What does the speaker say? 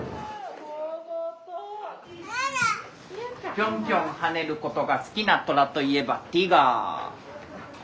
ぴょんぴょん跳ねることが好きなトラといえばティガー。